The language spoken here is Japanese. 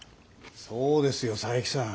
そうですよ佐伯さん。